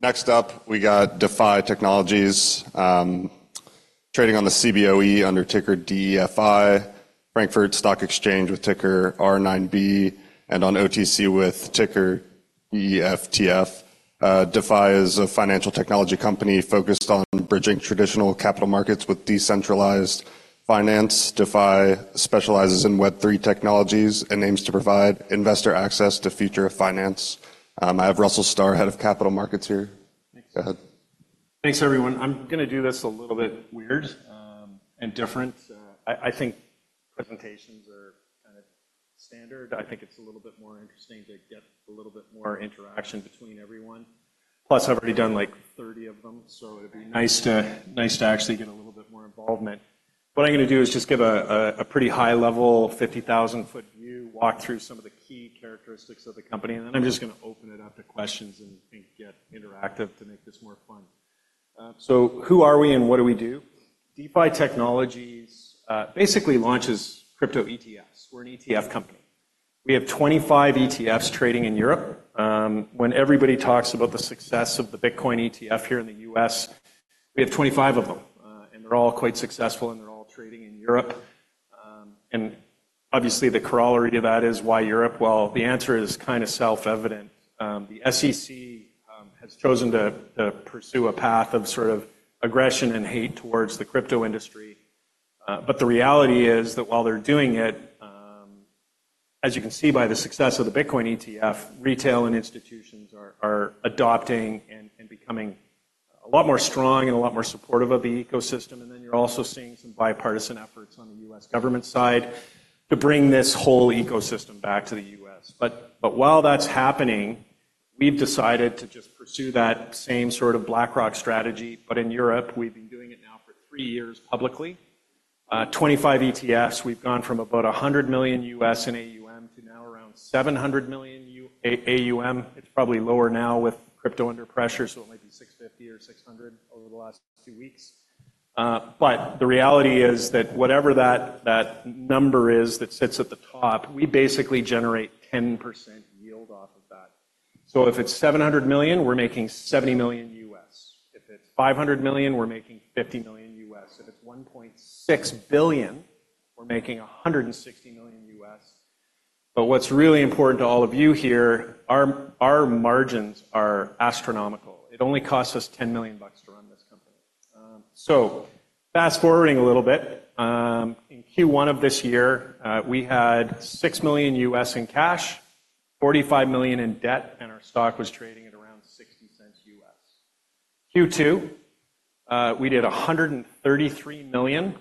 Next up, we got DeFi Technologies, trading on the CBOE under ticker DFI, Frankfurt Stock Exchange with ticker R9B, and on OTC with ticker EFTF. DeFi is a financial technology company focused on bridging traditional capital markets with decentralized finance. DeFi specializes in Web3 technologies and aims to provide investor access to future of finance. I have Russell Starr, Head of Capital Markets, here. Go ahead. Thanks, everyone. I'm gonna do this a little bit weird, and different. I think presentations are kind of standard. I think it's a little bit more interesting to get a little bit more interaction between everyone. Plus, I've already done, like, thirty of them, so it'd be nice to, nice to actually get a little bit more involvement. What I'm gonna do is just give a pretty high-level, 50,000 ft view, walk through some of the key characteristics of the company, and then I'm just gonna open it up to questions and get interactive to make this more fun. So who are we and what do we do? DeFi Technologies basically launches crypto ETFs. We're an ETF company. We have 2025 ETFs trading in Europe. When everybody talks about the success of the Bitcoin ETF here in the U.S., we have twenty-five of them, and they're all quite successful, and they're all trading in Europe, and obviously, the corollary to that is: why Europe? Well, the answer is kind of self-evident. The SEC has chosen to pursue a path of sort of aggression and hate towards the crypto industry, but the reality is that while they're doing it, as you can see by the success of the Bitcoin ETF, retail and institutions are adopting and becoming a lot more strong and a lot more supportive of the ecosystem, and then you're also seeing some bipartisan efforts on the U.S. government side to bring this whole ecosystem back to the U.S. But while that's happening, we've decided to just pursue that same sort of BlackRock strategy, but in Europe, we've been doing it now for three years publicly. 2025 ETFs, we've gone from about $100 million in AUM to now around $700 million AUM. It's probably lower now with crypto under pressure, so it might be 650 or 600 over the last two weeks. But the reality is that whatever that number is that sits at the top, we basically generate 10% yield off of that. So if it's $700 million, we're making $70 million. If it's $500 million, we're making $50 million. If it's $1.6 billion, we're making $160 million. But what's really important to all of you here, our margins are astronomical. It only costs us $10 million to run this company. So fast-forwarding a little bit, in Q1 of this year, we had $6 million in cash, $45 million in debt, and our stock was trading at around $0.60. Q2, we did 133 million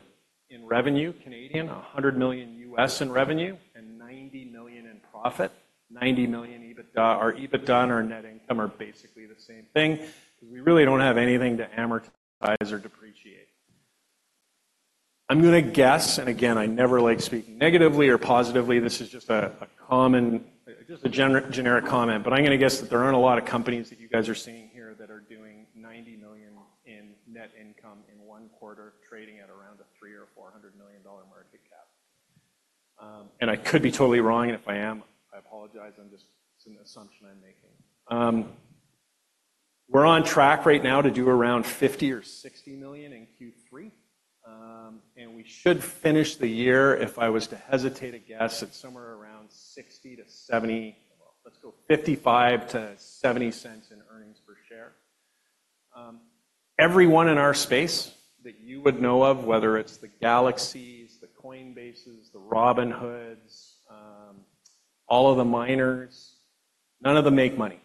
in revenue, $100 million in revenue, and $90 million in profit, $90 million EBITDA. Our EBITDA and our net income are basically the same thing. We really don't have anything to amortize or depreciate. I'm gonna guess, and again, I never like speaking negatively or positively, this is just a common, just a generic comment, but I'm gonna guess that there aren't a lot of companies that you guys are seeing here that are doing $90 million in net income in one quarter, trading at around a $300-400 million market cap. And I could be totally wrong, and if I am, I apologize. I'm just. It's an assumption I'm making. We're on track right now to do around $50-$60 million in Q3. And we should finish the year, if I was to hesitate to guess, at somewhere around 60-70, let's go 55-70 cents in earnings per share. Everyone in our space that you would know of, whether it's the Galaxies, the Coinbases, the Robinhoods, all of the miners, none of them make money.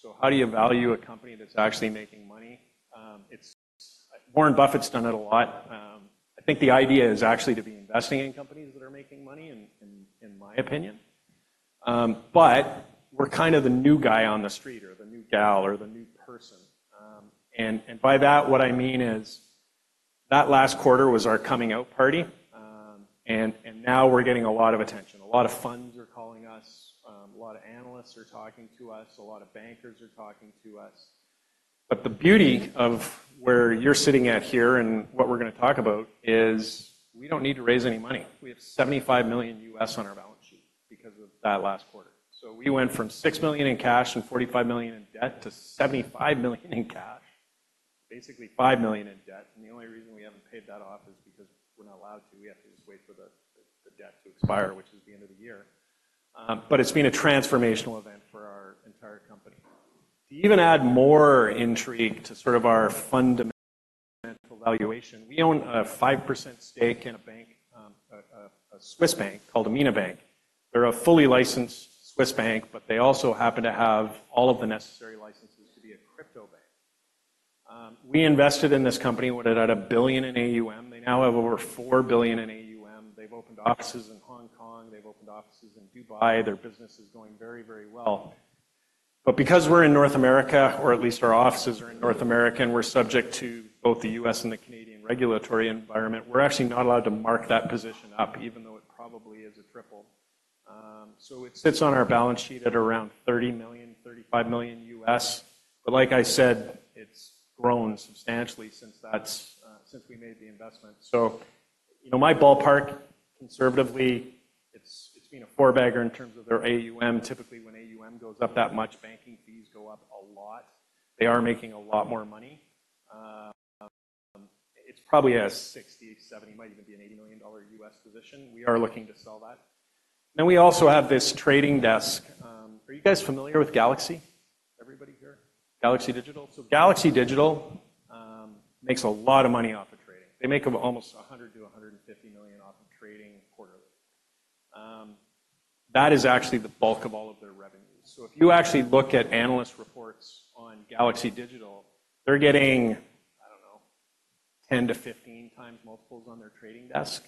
So how do you value a company that's actually making money? It's Warren Buffett's done it a lot. I think the idea is actually to be investing in companies that are making money, in my opinion. But we're kind of the new guy on the street or the new gal or the new person. By that, what I mean is, that last quarter was our coming out party. Now we're getting a lot of attention. A lot of funds are calling us, a lot of analysts are talking to us, a lot of bankers are talking to us. But the beauty of where you're sitting at here, and what we're gonna talk about, is we don't need to raise any money. We have $75 million on our balance sheet because of that last quarter. So we went from $6 million in cash and $45 million in debt to $75 million in cash, basically $5 million in debt, and the only reason we haven't paid that off is because we're not allowed to. We have to just wait for the debt to expire, which is the end of the year. But it's been a transformational event for our entire company. To even add more intrigue to sort of our fundamental valuation, we own a 5% stake in a bank, a Swiss bank called Amina Bank. They're a fully licensed Swiss bank, but they also happen to have all of the necessary licenses to be a crypto bank. We invested in this company when it had a billion in AUM. They now have over four billion in AUM. They've opened offices in Hong Kong. They've opened offices in Dubai. Their business is going very, very well. But because we're in North America, or at least our offices are in North America, and we're subject to both the U.S. and the Canadian regulatory environment, we're actually not allowed to mark that position up, even though it probably is a triple. So it sits on our balance sheet at around $30 -35 million. But like I said, it's grown substantially since we made the investment. So, you know, my ballpark, conservatively, it's been a four-bagger in terms of their AUM. Typically, when AUM goes up that much, banking fees go up a lot. They are making a lot more money. It's probably a $60-$70, might even be an $80 million US position. We are looking to sell that. Then we also have this trading desk. Are you guys familiar with Galaxy? Everybody here, Galaxy Digital? So Galaxy Digital makes a lot of money off of trading. They make almost $100-150 million off of trading quarterly. That is actually the bulk of all of their revenues. So if you actually look at analyst reports on Galaxy Digital, they're getting, I don't know, 10-15x multiples on their trading desk.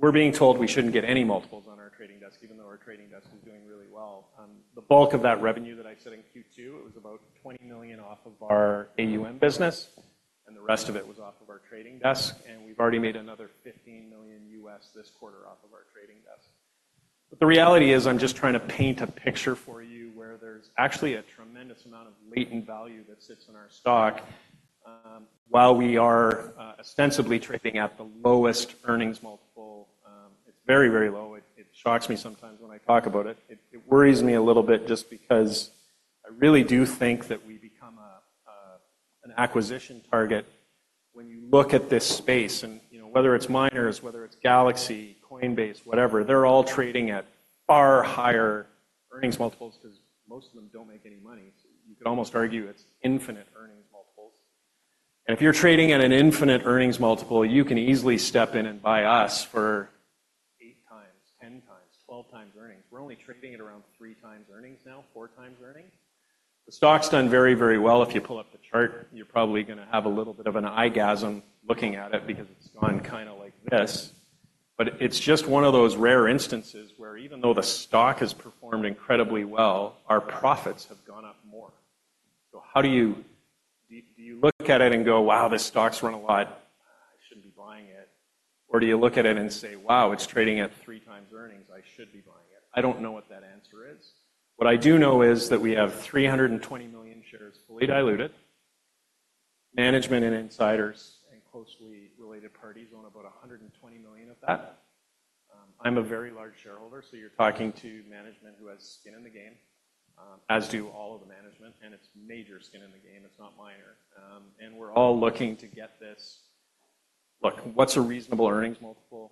We're being told we shouldn't get any multiples on our trading desk, even though our trading desk is doing really well. The bulk of that revenue that I said in Q2, it was about $20 million off of our AUM business, and the rest of it was off of our trading desk, and we've already made another $15 million this quarter off of our trading desk. But the reality is, I'm just trying to paint a picture for you where there's actually a tremendous amount of latent value that sits in our stock. While we are ostensibly trading at the lowest earnings multiple, it's very, very low. It shocks me sometimes when I talk about it. It worries me a little bit just because I really do think that we become an acquisition target when you look at this space, and, you know, whether it's miners, whether it's Galaxy, Coinbase, whatever, they're all trading at far higher earnings multiples 'cause most of them don't make any money. So you could almost argue it's infinite earnings multiples. And if you're trading at an infinite earnings multiple, you can easily step in and buy us for eight times, 10 times, 12 times earnings. We're only trading at around three times earnings now, four times earnings. The stock's done very, very well. If you pull up the chart, you're probably gonna have a little bit of an eye orgasm looking at it because it's gone kinda like this. But it's just one of those rare instances where even though the stock has performed incredibly well, our profits have gone up more. So how do you look at it and go, "Wow, this stock's run a lot. I shouldn't be buying it," or do you look at it and say: "Wow, it's trading at three times earnings. I should be buying it"? I don't know what that answer is. What I do know is that we have 300 million shares fully diluted. Management and insiders, and closely related parties own about 120 million of that. I'm a very large shareholder, so you're talking to management who has skin in the game, as do all of the management, and it's major skin in the game. It's not minor. And we're all looking to get this. Look, what's a reasonable earnings multiple?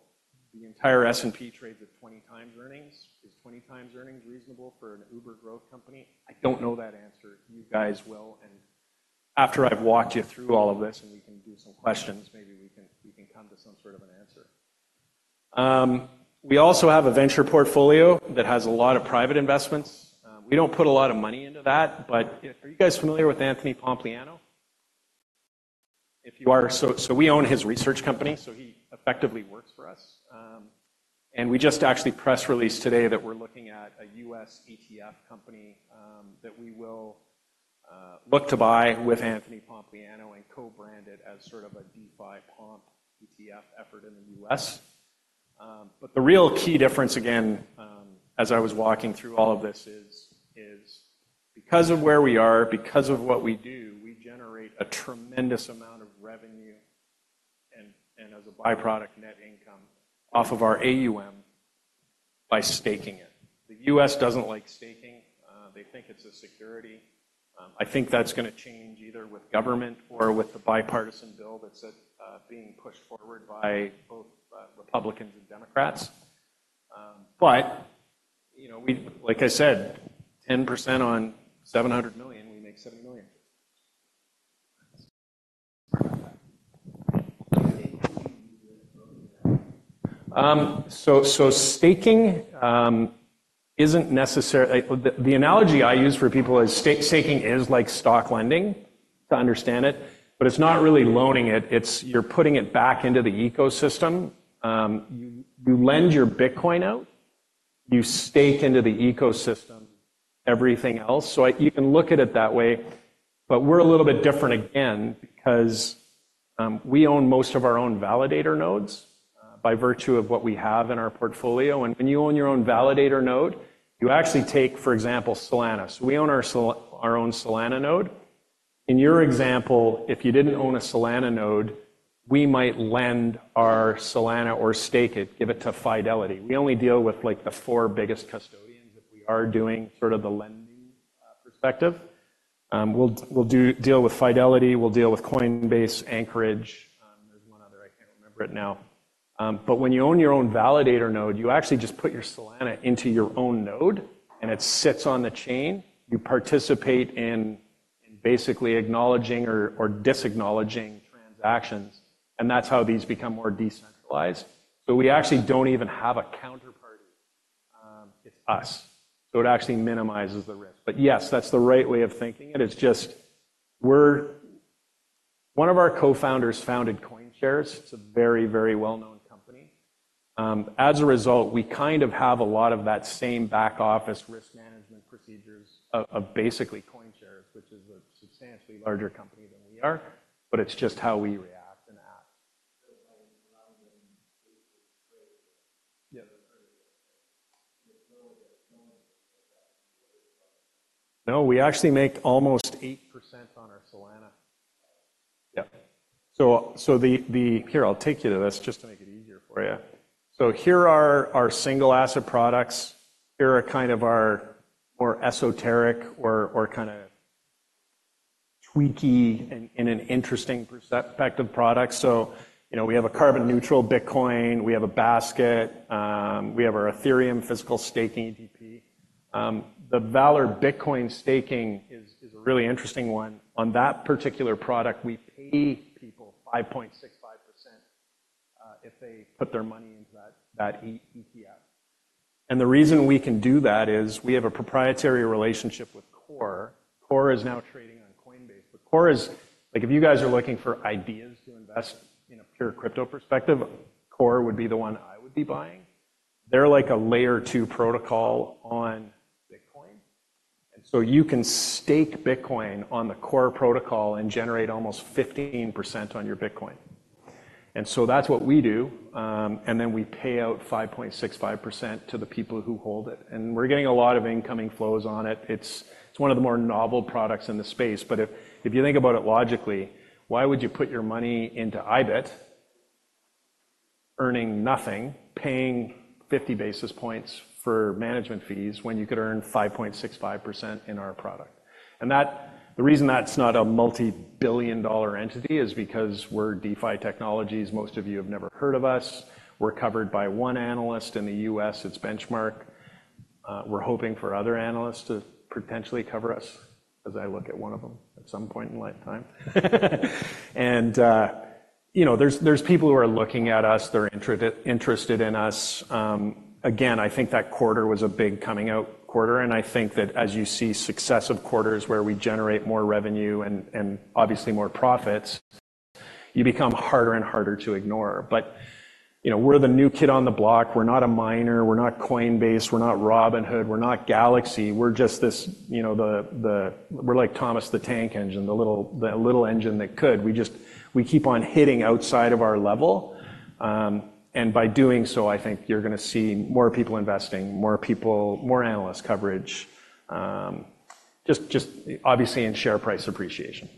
The entire S&P trades at 20 times earnings. Is 20 times earnings reasonable for an Uber growth company? I don't know that answer. You guys will, and after I've walked you through all of this, and we can do some questions, maybe we can, we can come to some sort of an answer. We also have a venture portfolio that has a lot of private investments. We don't put a lot of money into that, but, yeah, are you guys familiar with Anthony Pompliano? If you are, so, so we own his research company, so he effectively works for us. And we just actually press released today that we're looking at a U.S. ETF company, that we will look to buy with Anthony Pompliano and co-brand it as sort of a DeFi Pomp ETF effort in the U.S. But the real key difference, again, as I was walking through all of this, is because of where we are, because of what we do, we generate a tremendous amount of revenue and, as a byproduct, net income off of our AUM by staking it. The U.S. doesn't like staking. They think it's a security. I think that's gonna change either with government or with the bipartisan bill that's at, being pushed forward by both, Republicans and Democrats. But, you know, we like I said, 10% on $700 million, we make $70 million. So, staking isn't necessary. Like the analogy I use for people is staking is like stock lending to understand it, but it's not really loaning it. It's you're putting it back into the ecosystem. You lend your Bitcoin out, you stake into the ecosystem, everything else. You can look at it that way, but we're a little bit different again because we own most of our own validator nodes by virtue of what we have in our portfolio. And when you own your own validator node, you actually take, for example, Solana. So we own our own Solana node. In your example, if you didn't own a Solana node, we might lend our Solana or stake it, give it to Fidelity. We only deal with, like, the four biggest custodians, if we are doing sort of the lending perspective. We'll deal with Fidelity, we'll deal with Coinbase, Anchorage, there's one other, I can't remember it now. But when you own your own validator node, you actually just put your Solana into your own node, and it sits on the chain. You participate in basically acknowledging or disacknowledging transactions, and that's how these become more decentralized. So we actually don't even have a counterparty. It's us. So it actually minimizes the risk. But yes, that's the right way of thinking it. It's just we're. One of our co-founders founded CoinShares. It's a very, very well-known company. As a result, we kind of have a lot of that same back office risk management procedures of basically CoinShares, which is a substantially larger company than we are, but it's just how we react and act. No, we actually make almost 8% on our Solana. Yeah. So the. Here, I'll take you to this just to make it easier for you. Here are our single asset products. Here are kind of our more esoteric or kinda tweaky in an interesting perspective product. You know, we have a carbon neutral Bitcoin, we have a basket, we have our Ethereum physical staking ETF. The Valour Bitcoin Staking is a really interesting one. On that particular product, we pay people 5.65%, if they put their money into that ETF. And the reason we can do that is we have a proprietary relationship with Core. Core is now trading on Coinbase. Like, if you guys are looking for ideas to invest in a pure crypto perspective, Core would be the one I would be buying. They're like a layer two protocol on Bitcoin, and so you can stake Bitcoin on the Core protocol and generate almost 15% on your Bitcoin. And so that's what we do, and then we pay out 5.65% to the people who hold it, and we're getting a lot of incoming flows on it. It's one of the more novel products in the space, but if you think about it logically, why would you put your money into IBIT, earning nothing, paying 50 basis points for management fees, when you could earn 5.65% in our product? And that. The reason that's not a multi-billion dollar entity is because we're DeFi Technologies. Most of you have never heard of us. We're covered by one analyst in the U.S., it's Benchmark. We're hoping for other analysts to potentially cover us, as I look at one of them, at some point in lifetime. And, you know, there's people who are looking at us, they're interested in us. Again, I think that quarter was a big coming out quarter, and I think that as you see successive quarters where we generate more revenue and obviously more profits, you become harder and harder to ignore. But, you know, we're the new kid on the block. We're not a miner, we're not Coinbase, we're not Robinhood, we're not Galaxy. We're just this, you know, we're like Thomas the Tank Engine, the little engine that could. We just keep on hitting outside of our level, and by doing so, I think you're gonna see more people investing, more analyst coverage, just obviously in share price appreciation.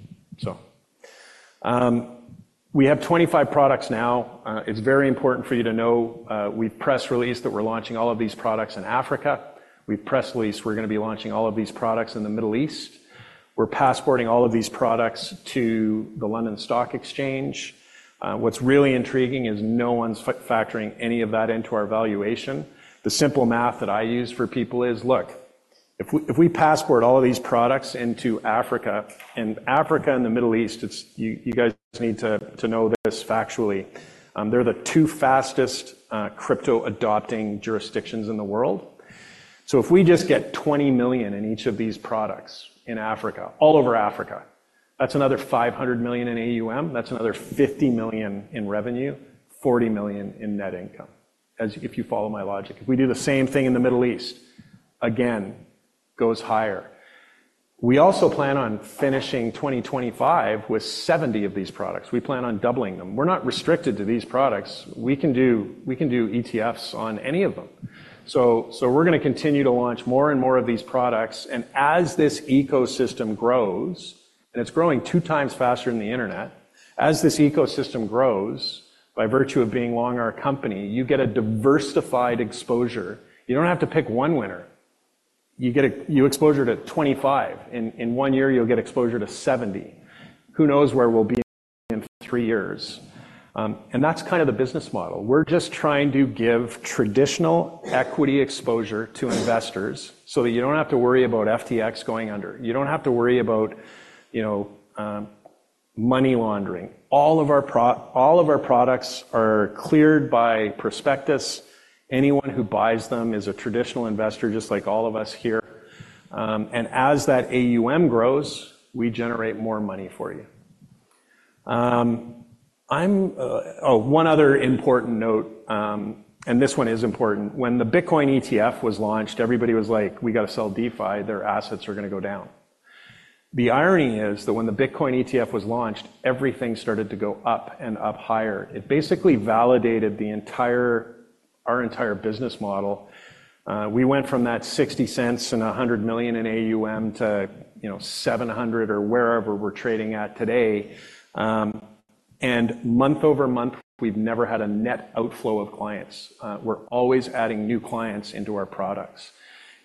We have 25 products now. It's very important for you to know, we press released that we're launching all of these products in Africa. We press released we're gonna be launching all of these products in the Middle East. We're passporting all of these products to the London Stock Exchange. What's really intriguing is no one's factoring any of that into our valuation. The simple math that I use for people is, look, if we passport all of these products into Africa and the Middle East, it's you guys just need to know this factually, they're the two fastest crypto adopting jurisdictions in the world. So if we just get $20 million in each of these products in Africa, all over Africa, that's another $500 million in AUM, that's another $50 million in revenue, $40 million in net income, as if you follow my logic. If we do the same thing in the Middle East, again, goes higher. We also plan on finishing 2025 with 70 of these products. We plan on doubling them. We're not restricted to these products. We can do ETFs on any of them. We're gonna continue to launch more and more of these products, and as this ecosystem grows, and it's growing two times faster than the Internet, as this ecosystem grows, by virtue of being long our company, you get a diversified exposure. You don't have to pick one winner. You get exposure to 2025. In one year, you'll get exposure to 70. Who knows where we'll be in three years? And that's kind of the business model. We're just trying to give traditional equity exposure to investors so that you don't have to worry about FTX going under. You don't have to worry about, you know, money laundering. All of our products are cleared by prospectus. Anyone who buys them is a traditional investor, just like all of us here. And as that AUM grows, we generate more money for you. Oh, one other important note, and this one is important: when the Bitcoin ETF was launched, everybody was like, "We gotta sell DeFi. Their assets are gonna go down." The irony is that when the Bitcoin ETF was launched, everything started to go up and up higher. It basically validated our entire business model. We went from that $0.60 and $100 million in AUM to, you know, $700 or wherever we're trading at today. And month-over-month, we've never had a net outflow of clients. We're always adding new clients into our products.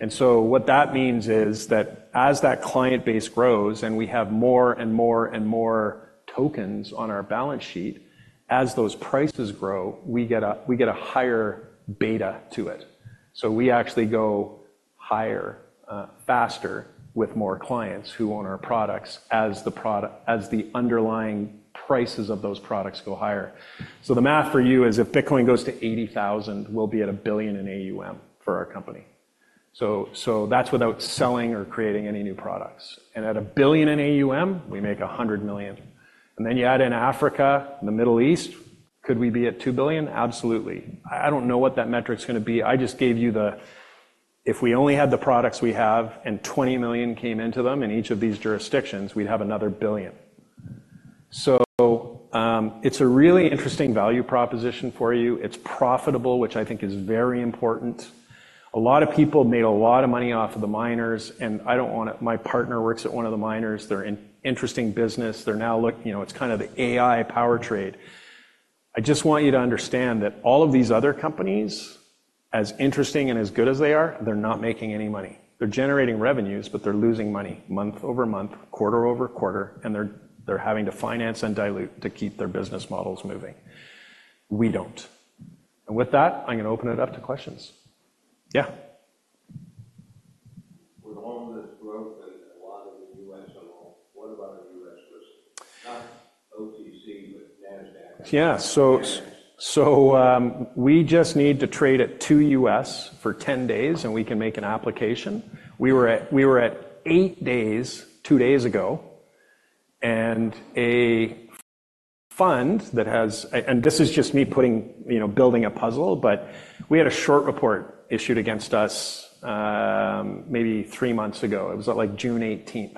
And so what that means is that as that client base grows and we have more and more and more tokens on our balance sheet, as those prices grow, we get a higher beta to it. So we actually go higher faster with more clients who own our products as the underlying prices of those products go higher. So the math for you is if Bitcoin goes to 80,000, we'll be at a billion in AUM for our company. So that's without selling or creating any new products. And at a billion in AUM, we make a 100 million. And then you add in Africa and the Middle East, could we be at two billion? Absolutely. I don't know what that metric's gonna be. I just gave you the, if we only had the products we have and twenty million came into them in each of these jurisdictions, we'd have another billion. It's a really interesting value proposition for you. It's profitable, which I think is very important. A lot of people made a lot of money off of the miners, and I don't want it. My partner works at one of the miners. They're an interesting business. They're now, you know, it's kind of the AI power trade. I just want you to understand that all of these other companies, as interesting and as good as they are, they're not making any money. They're generating revenues, but they're losing money month-over-month, quarter-over-quarter, and they're having to finance and dilute to keep their business models moving. We don't. And with that, I'm gonna open it up to questions. Yeah. With all this growth and a lot of the U.S. and all, what about the U.S. list, not OTC, but Nasdaq? Yeah. So, we just need to trade at $2 for ten days, and we can make an application. We were at eight days two days ago, and a fund that has, and this is just me putting, you know, building a puzzle, but we had a short report issued against us, maybe three months ago. It was at, like, June 18th,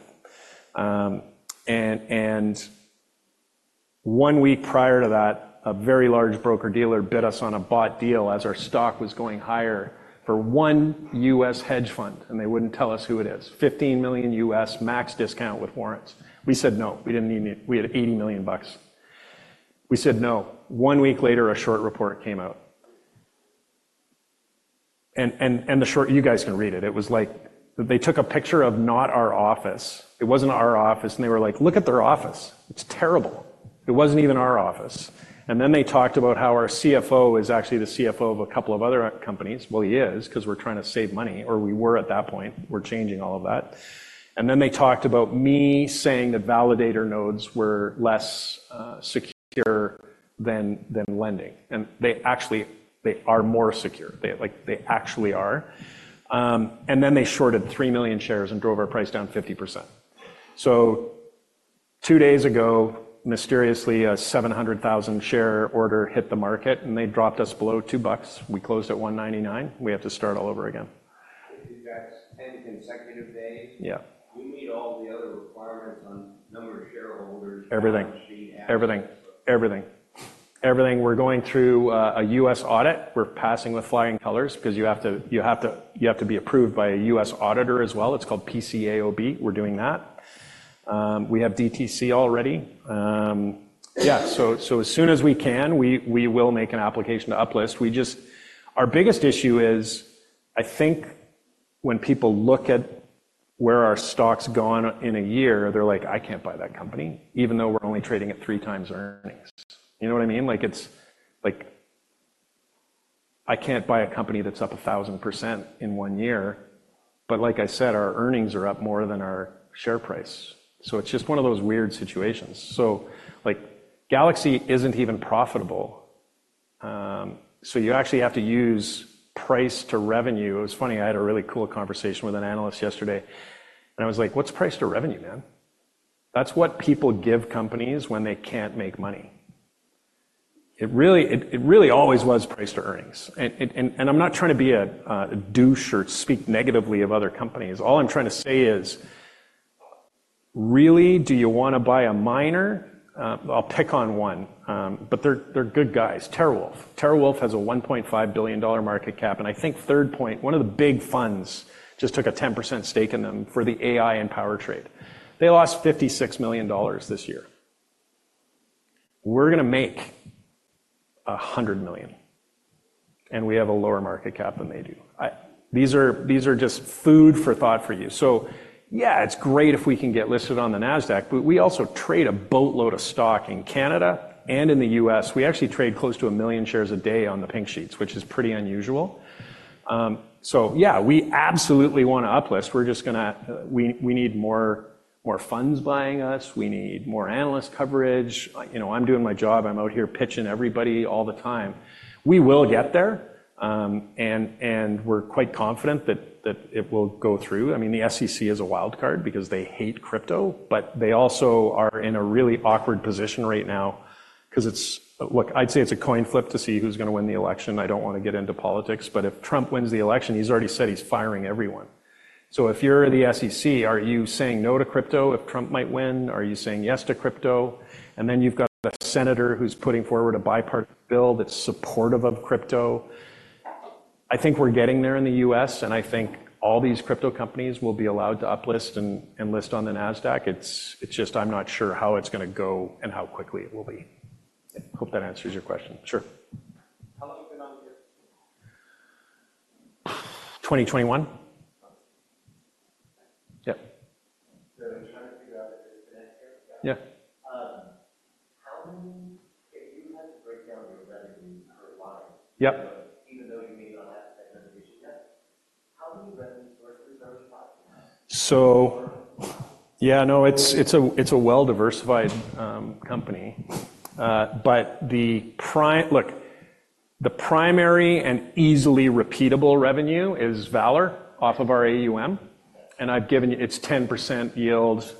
and the short, you guys can read it. It was like they took a picture of not our office. It wasn't our office, and they were like: "Look at their office, it's terrible." It wasn't even our office. And then they talked about how our CFO is actually the CFO of a couple of other companies. Well, he is, 'cause we're trying to save money, or we were at that point. We're changing all of that. And then they talked about me saying that validator nodes were less secure than lending, and they actually are more secure. They, like, they actually are. And then they shorted three million shares and drove our price down 50%. So two days ago, mysteriously, a 700,000 share order hit the market, and they dropped us below $2. We closed at $1.99. We have to start all over again. If that's 10 consecutive days- Yeah. We meet all the other requirements on number of shareholders. Everything. Balance sheet. Everything, we're going through a U.S. audit. We're passing with flying colors 'cause you have to be approved by a U.S. auditor as well. It's called PCAOB. We're doing that. We have DTC already. Yeah, so as soon as we can, we will make an application to uplist. We just, our biggest issue is, I think when people look at where our stock's gone in a year, they're like: "I can't buy that company," even though we're only trading at three times earnings. You know what I mean? Like, it's like, I can't buy a company that's up 1000% in one year. But like I said, our earnings are up more than our share price. It's just one of those weird situations. Like, Galaxy isn't even profitable. You actually have to use price to revenue. It was funny, I had a really cool conversation with an analyst yesterday, and I was like: "What's price to revenue, man?" That's what people give companies when they can't make money. It really always was price to earnings. I'm not trying to be a douche or speak negatively of other companies. All I'm trying to say is, really, do you wanna buy a miner? I'll pick on one, but they're good guys. TeraWulf. TeraWulf has a $1.5 billion market capital, and I think Third Point, one of the big funds, just took a 10% stake in them for the AI and power trade. They lost $56 million this year. We're gonna make $100 million, and we have a lower market cap than they do. These are just food for thought for you. So, yeah, it's great if we can get listed on the Nasdaq, but we also trade a boatload of stock in Canada and in the U.S. We actually trade close to one million shares a day on the Pink Sheets, which is pretty unusual. So yeah, we absolutely wanna uplist. We're just gonna we need more funds buying us, we need more analyst coverage. You know, I'm doing my job, I'm out here pitching everybody all the time. We will get there, and we're quite confident that it will go through. I mean, the SEC is a wild card because they hate crypto, but they also are in a really awkward position right now, 'cause it's a coin flip to see who's gonna win the election. I don't wanna get into politics, but if Trump wins the election, he's already said he's firing everyone. So if you're the SEC, are you saying no to crypto if Trump might win? Are you saying yes to crypto? And then you've got a senator who's putting forward a bipartisan bill that's supportive of crypto. I think we're getting there in the U.S., and I think all these crypto companies will be allowed to uplist and list on the Nasdaq. It's just I'm not sure how it's gonna go and how quickly it will be. Hope that answers your question. Sure. 2021. Yeah. Yeah. Yeah. So, yeah, no, it's, it's a, it's a well-diversified company. But the primary and easily repeatable revenue is Valour, off of our AUM, and I've given you. It's 10% yield.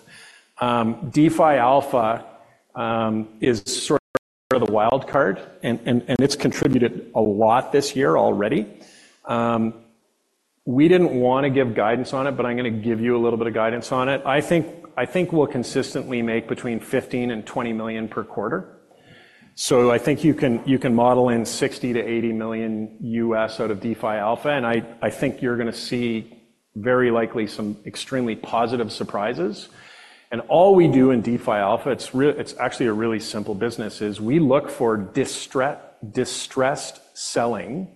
DeFi Alpha is sort of the wild card, and it's contributed a lot this year already. We didn't wanna give guidance on it, but I'm gonna give you a little bit of guidance on it. I think, I think we'll consistently make between 15 and 20 million per quarter. So I think you can, you can model in $60-80 million out of DeFi Alpha, and I, I think you're gonna see very likely some extremely positive surprises. And all we do in DeFi Alpha, it's actually a really simple business, is we look for distressed selling.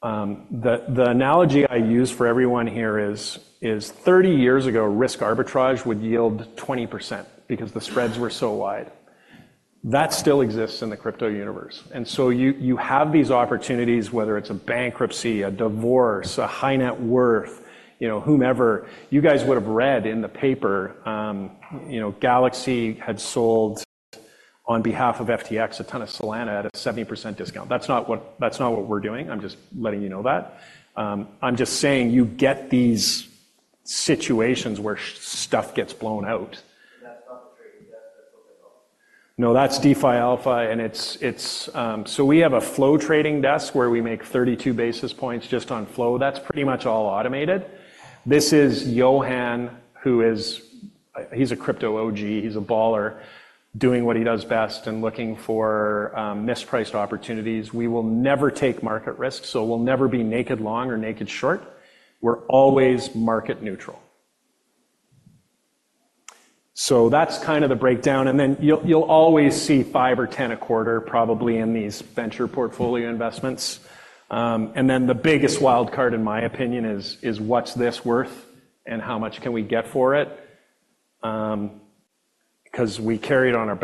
The analogy I use for everyone here is 30 years ago, risk arbitrage would yield 20% because the spreads were so wide. That still exists in the crypto universe, and so you have these opportunities, whether it's a bankruptcy, a divorce, a high net worth, you know, whomever. You guys would have read in the paper, you know, Galaxy had sold on behalf of FTX, a ton of Solana at a 70% discount. That's not what, that's not what we're doing. I'm just letting you know that. I'm just saying you get these situations where sh- stuff gets blown out. No, that's DeFi Alpha, and it's. So we have a flow trading desk where we make 32 basis points just on flow. That's pretty much all automated. This is Johan, who is, he's a crypto OG, he's a baller, doing what he does best and looking for mispriced opportunities. We will never take market risk, so we'll never be naked long or naked short. We're always market neutral. So that's kind of the breakdown, and then you'll always see five or 10 a quarter, probably in these venture portfolio investments. And then the biggest wild card, in my opinion, is what's this worth and how much can we get for it? 'Cause we carry it on our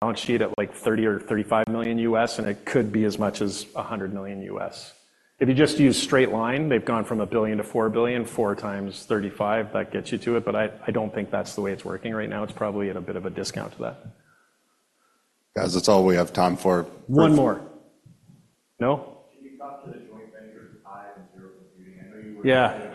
balance sheet at, like, $30-35 million, and it could be as much as $100 million. If you just use straight line, they've gone from a billion to four billion, 4x 35, that gets you to it, but I don't think that's the way it's working right now. It's probably at a bit of a discount to that. Guys, that's all we have time for. One more. No? Yeah.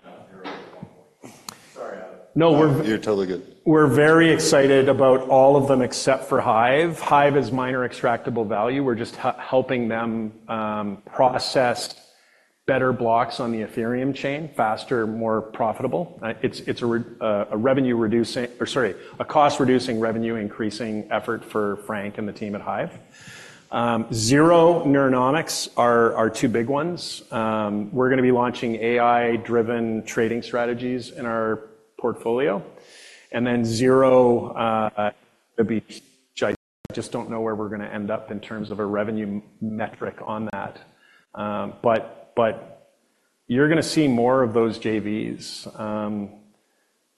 No, we're. You're totally good. We're very excited about all of them except for Hive. Hive is miner extractable value. We're just helping them process better blocks on the Ethereum chain, faster, more profitable. It's a revenue-reducing, or sorry, a cost-reducing, revenue-increasing effort for Frank and the team at Hive. Neuronic are our two big ones. We're gonna be launching AI-driven trading strategies in our portfolio, and then Neuronic. I just don't know where we're gonna end up in terms of a revenue metric on that. But you're gonna see more of those JVs.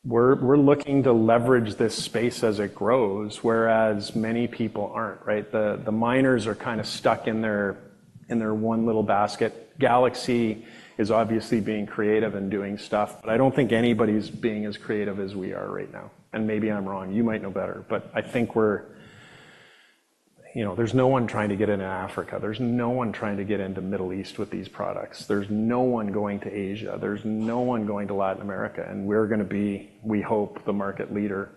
We're looking to leverage this space as it grows, whereas many people aren't, right? The miners are kinda stuck in their one little basket. Galaxy is obviously being creative and doing stuff, but I don't think anybody's being as creative as we are right now. And maybe I'm wrong, you might know better, but I think we're, you know, there's no one trying to get into Africa. There's no one trying to get into Middle East with these products. There's no one going to Asia. There's no one going to Latin America, and we're gonna be, we hope, the market leader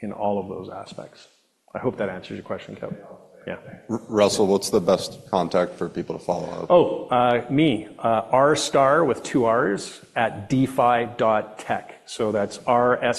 in all of those aspects. I hope that answers your question, Kevin. Yeah. Yeah. Russell, what's the best contact for people to follow up? Oh, me, Starr with two Rs, @defi.tech. So that's R-S.